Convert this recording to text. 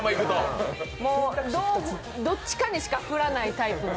どっちかにしか振らないタイプの。